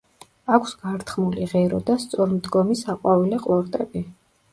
აქვს გართხმული ღერო და სწორმდგომი საყვავილე ყლორტები.